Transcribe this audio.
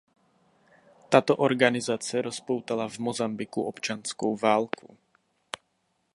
Tato organizace rozpoutala v Mosambiku občanskou válku.